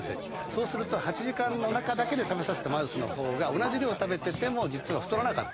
そうすると８時間の中だけで食べさせたマウスの方が同じ量食べてても実は太らなかった。